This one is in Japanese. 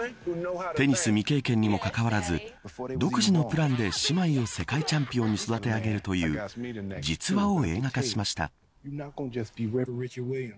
テニス未経験にもかかわらず独自のプランで姉妹を世界チャンピオンに育てあげるという実話を映画化しました。